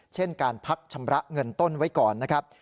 เช่นการพักชำระเงินต้นไว้ก่อนนะครับ